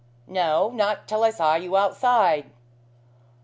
"No. Not till I saw you outside."